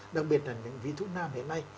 đặc biệt là những vi thuốc nam hiện nay